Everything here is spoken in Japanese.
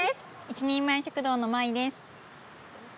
一人前食堂のＭａｉです。